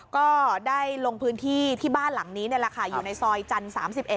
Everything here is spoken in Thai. ก็ได้ลงพื้นที่ที่บ้านหลังนี้อยู่ในซอยจันทร์๓๑